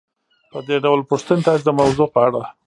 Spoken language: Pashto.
په دې ډول پوښتنو تاسې د موضوع په اړه